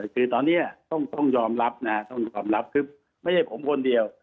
คือตอนนี้ต้องยอมรับนะต้องยอมรับคือไม่ใช่ผมคนเดียว